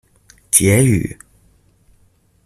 結語